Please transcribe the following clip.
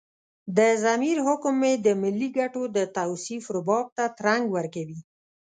د ضمیر حکم مې د ملي ګټو د توصيف رباب ته ترنګ ورکوي.